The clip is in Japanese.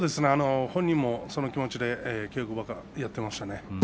本人もその気持ちでやっていましたね。